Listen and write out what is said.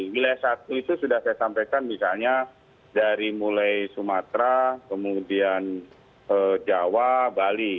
wilayah satu itu sudah saya sampaikan misalnya dari mulai sumatera kemudian jawa bali